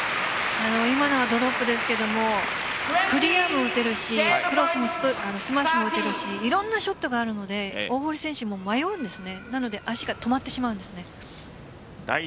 今のはドロップですがクリアも打てるしクロスもスマッシュも打てるしいろんなショットがあるので大堀選手も迷うんですね。